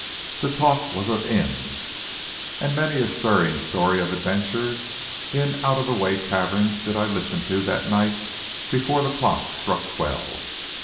The talk was of inns, and many a stirring story of adventure in out of the way taverns did I listen to that night before the clock struck twelve.